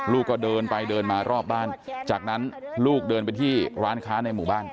ก็เดินไปเดินมารอบบ้านจากนั้นลูกเดินไปที่ร้านค้าในหมู่บ้าน